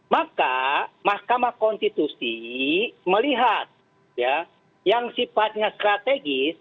maka mahkamah konstitusi melihat ya yang sifatnya strategis